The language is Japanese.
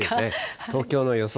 東京の予想